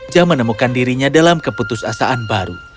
dia menemukan dirinya dalam keputus asaan baru